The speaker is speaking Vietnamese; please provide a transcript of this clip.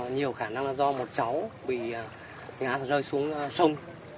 nhiều khả năng là do một cháu bị ngã rơi xuống sông